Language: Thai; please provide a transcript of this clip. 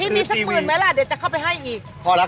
พี่มี๑๐๐๐บาทไหมล่ะเดี๋ยวจะเข้าไปให้อีกชื่อทีวี